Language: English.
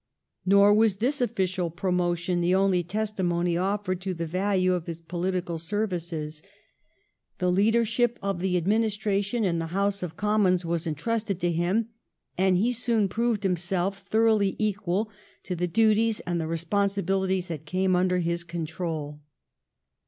Nor was this official promotion the only testimony ofiered to the value of his political services. The 1708 LEADER OF THE HOUSE. 221 leadership of the administration in the House of Commons was entrusted to him, and he soon proved himself thoroughly equal to the duties and the re sponsibilities which came under his control.